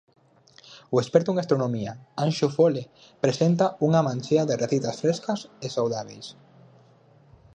O experto en gastronomía Anxo Fole presenta unha manchea de receitas frescas e saudábeis.